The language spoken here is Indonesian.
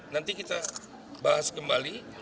nanti kita bahas kembali